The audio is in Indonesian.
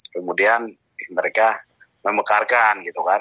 kemudian mereka memekarkan gitu kan